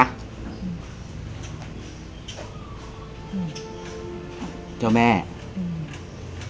อืมเจ้าแม่อืม